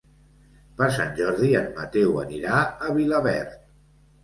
Per Sant Jordi en Mateu anirà a Vilaverd.